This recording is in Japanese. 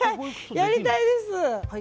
やりたいです。